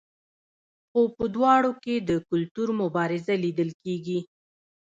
خو په دواړو کې د کلتور مبارزه لیدل کیږي.